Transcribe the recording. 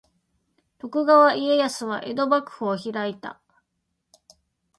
徳川家康は江戸幕府を開いた。